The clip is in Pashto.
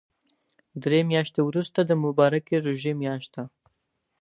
دري مياشتی ورسته د مبارکی ژوری مياشت ده